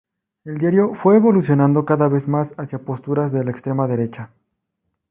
El diario fue evolucionando cada vez más hacia posturas de la extrema derecha.